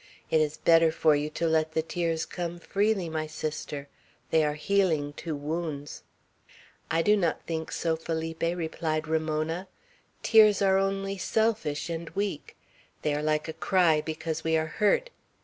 It is better for you to let the tears come freely, my sister. They are healing to wounds." "I do not think so, Felipe," replied Ramona. "Tears are only selfish and weak. They are like a cry because we are hurt.